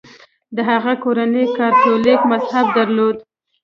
د هغه کورنۍ کاتولیک مذهب درلود.